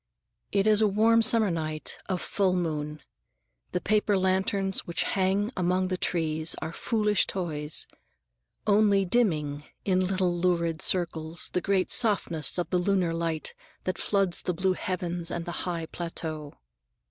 It is a warm summer night of full moon. The paper lanterns which hang among the trees are foolish toys, only dimming, in little lurid circles, the great softness of the lunar light that floods the blue heavens and the high plateau.